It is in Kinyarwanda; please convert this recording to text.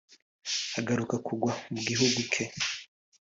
agaruka kugwa mu gihugu ke